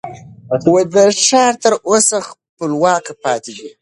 دا ښار تر اوسه خپلواک پاتې دی.